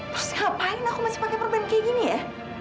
terus ngapain aku masih pakai permen kayak gini ya